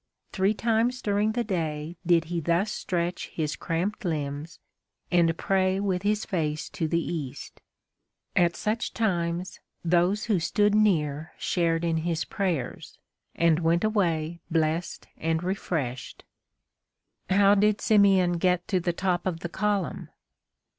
Three times during the day did he thus stretch his cramped limbs, and pray with his face to the East. At such times, those who stood near shared in his prayers, and went away blessed and refreshed. How did Simeon get to the top of the column?